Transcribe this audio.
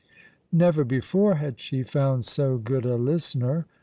Never before had she found so good a listener.